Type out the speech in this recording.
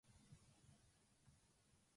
新潟県聖籠町